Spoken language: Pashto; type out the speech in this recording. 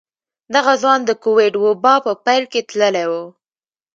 دغه ځوان د کوويډ وبا په پيل کې تللی و.